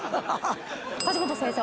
梶本先生